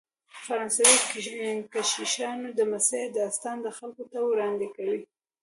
فرانسوي کشیشانو د مسیح داستان خلکو ته وړاندې کاوه.